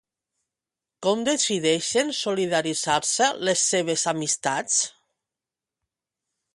Com decideixen solidaritzar-se les seves amistats?